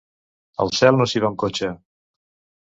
Al cel no s'hi va amb cotxe.